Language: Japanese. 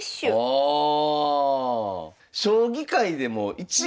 ああ。